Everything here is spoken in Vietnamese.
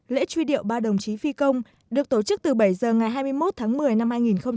lễ truy điệu ba đồng chí phi công được tổ chức từ bảy h ngày hai mươi một tháng một mươi năm hai nghìn một mươi chín